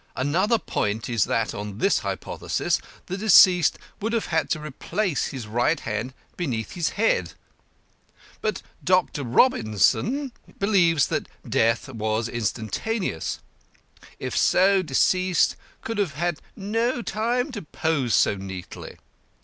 Another point is that on this hypothesis, the deceased would have had to replace his right hand beneath his head. But Dr. Robinson believes that death was instantaneous. If so, deceased could have had no time to pose so neatly.